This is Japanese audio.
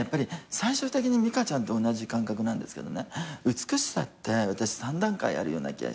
最終的にミカちゃんと同じ感覚なんですけどね美しさって私三段階あるような気がして。